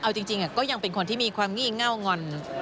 เอาจริงก็ยังเป็นคนที่มีความงี่เง่างอน